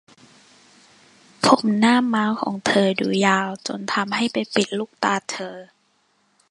ผมหน้าม้าของเธอดูยาวจนทำให้ไปปิดลูกตาเธอ